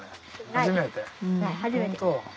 初めて。